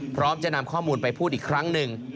พร้อมจะนำข้อมูลไปพูดอีกครั้งหนึ่ง